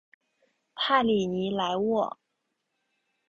帕里尼莱沃。